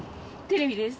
テレビです。